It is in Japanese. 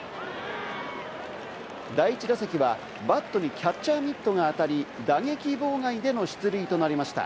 第１打席はバットにキャッチャーミットが当たり、打撃妨害での出塁となりました。